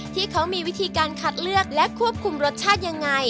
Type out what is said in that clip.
ที่เขามีวิธีการคัดเลือกและควบคุมรสชาติยังไง